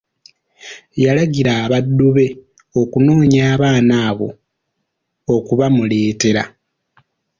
Yalagira abaddu be okunonya abaana abo okubamuleetera.